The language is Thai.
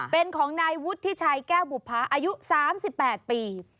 เป็นของนายวุฒิชัยแก้วบุภาอายุ๓๘ปี